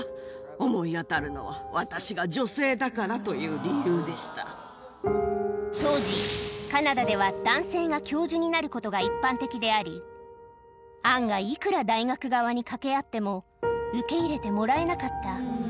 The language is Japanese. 思い当たるのは私が女性だからと当時、カナダでは男性が教授になることが一般的であり、アンがいくら大学側にかけ合っても、受け入れてもらえなかった。